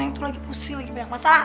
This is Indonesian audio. itu lagi pusing lagi banyak masalah